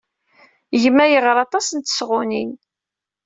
Gma yeɣra aṭas n tesɣunin.